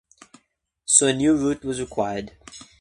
So a new route was required.